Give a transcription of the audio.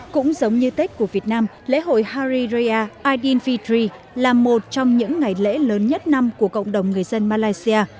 cũng giống như tết của việt nam lễ hội hari raya adin fidry là một trong những ngày lễ lớn nhất năm của cộng đồng người dân malaysia